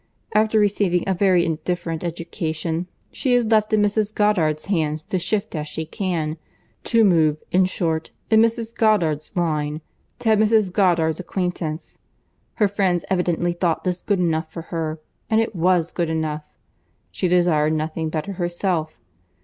After receiving a very indifferent education she is left in Mrs. Goddard's hands to shift as she can;—to move, in short, in Mrs. Goddard's line, to have Mrs. Goddard's acquaintance. Her friends evidently thought this good enough for her; and it was good enough. She desired nothing better herself.